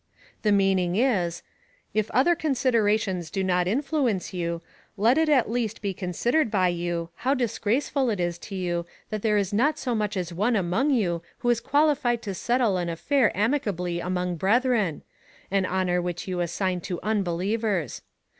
The meaning is —" If other con siderations do not influence you, let it at least be considered by you, how disgraceful it is to you that there is not so much as one among you who is qualified to settle an afiair amicably among brethren — an honour which you assign to unbelievers.